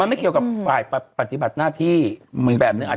มันไม่เกี่ยวกับฝ่ายปฏิบัติหน้าที่แบบนึง